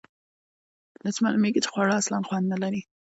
داسې معلومیږي چې خواړه اصلآ خوند نه لري.